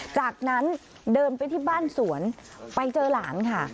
จากนั้นเดินไปที่บ้านสวนไปเจอหลานค่ะ